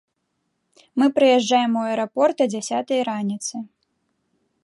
Мы прыязджаем у аэрапорт а дзясятай раніцы.